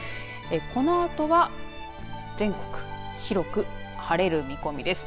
このあとは全国、広く晴れる見込みです。